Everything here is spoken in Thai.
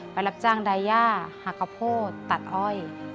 ไปรับจ้างไดย่าหากะโพดตัดอ้อย